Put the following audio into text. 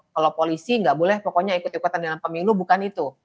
kalau polisi nggak boleh pokoknya ikut ikutan dalam pemilu bukan itu